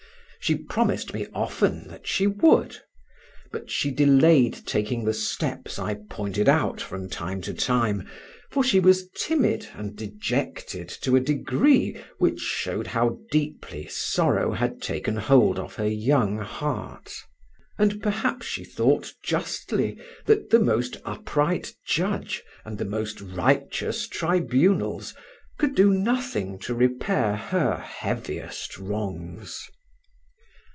She promised me often that she would, but she delayed taking the steps I pointed out from time to time, for she was timid and dejected to a degree which showed how deeply sorrow had taken hold of her young heart; and perhaps she thought justly that the most upright judge and the most righteous tribunals could do nothing to repair her heaviest wrongs.